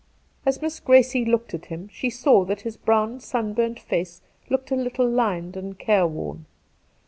As Miss G race looked at him, she saw that his brown sunburnt face looked a little lined and care worn.